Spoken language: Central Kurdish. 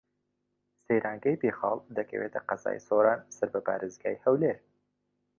سەیرانگەی بێخاڵ دەکەوێتە قەزای سۆران سەر بە پارێزگای هەولێر.